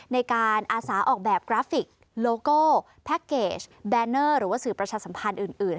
อาสาออกแบบกราฟิกโลโก้แพ็คเกจแบรนเนอร์หรือว่าสื่อประชาสัมพันธ์อื่น